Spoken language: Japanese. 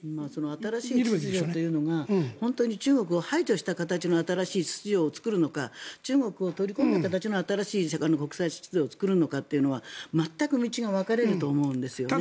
新しい秩序というのが本当に中国を排除した形の新しい秩序を作るのか中国を取り込んだ形の新しい国際秩序を作るのかというのは全く道が分かれると思うんですよね。